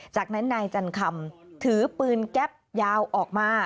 จากนั้นนายจันคำถือปืนแก๊ปยาวออกมา